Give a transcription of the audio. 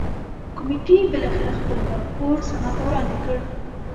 کمېټې بالاخره خپل راپور سنا ته وړاندې کړ.